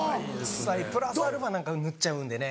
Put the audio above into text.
臭いプラスアルファ何か塗っちゃうんでね。